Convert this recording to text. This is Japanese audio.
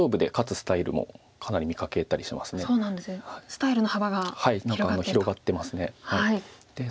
スタイルの幅が広がってと。